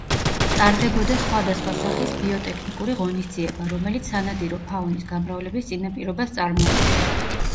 ტარდებოდა სხვადასხვა სახის ბიოტექნიკური ღონისძიება, რომელიც სანადირო ფაუნის გამრავლების წინაპირობას წარმოადგენდა.